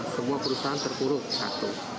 semua perusahaan terpuruk satu